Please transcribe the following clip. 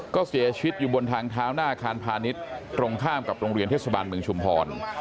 ก็เสียชีวิตอยู่บนทางเท้าหน้าอาคารพาณิชย์ตรงข้ามกับโรงเรียนเทศบาลเมืองชุมพร